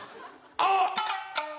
「あっ！